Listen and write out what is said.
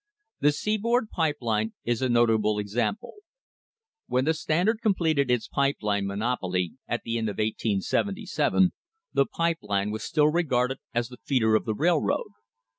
The seaboard pipe line is a notable ex ample. When the Standard completed its pipe line monopoly at the end of 1877, the pipe line was still regarded as the feeder of the railroad.